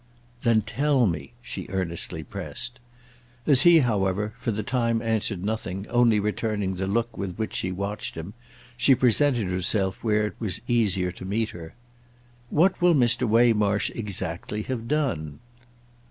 "Then tell me!" she earnestly pressed. As he, however, for the time answered nothing, only returning the look with which she watched him, she presented herself where it was easier to meet her. "What will Mr. Waymarsh exactly have done?"